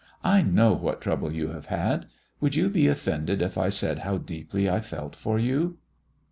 I know what trouble you have had. Would you be offended if I said how deeply I felt for you?"